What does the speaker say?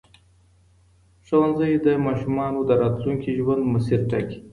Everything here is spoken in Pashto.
ښوونځی د ماشومانو د راتلونکي ژوند مسیر ټاکي.